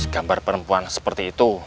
gambar perempuan seperti itu